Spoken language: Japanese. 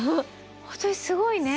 本当にすごいね。